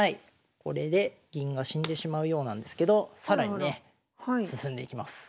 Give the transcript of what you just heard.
これで銀が死んでしまうようなんですけど更にね進んでいきます。